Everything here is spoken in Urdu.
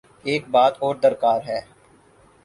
ایک بات اور درکار ہے۔